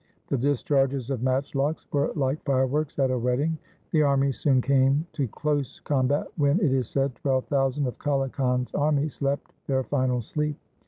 The discharges of matchlocks were like fireworks at a wedding. The armies soon came, to close com bat when, it is said, twelve thousand of Kale Khan's army slept their final sleep.